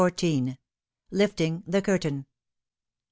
LIFTING THE CURTAIN.